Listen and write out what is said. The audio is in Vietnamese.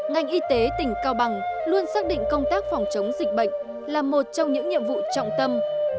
ngành y tế tỉnh cao bằng luôn xác định công tác phòng chống dịch bệnh là một trong những nhiệm vụ trọng tâm